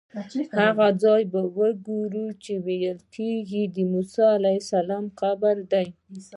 هغه ځای به وګورو چې ویل کېږي د موسی علیه السلام قبر دی.